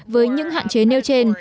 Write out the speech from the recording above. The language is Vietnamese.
với những hạn chế nêu trên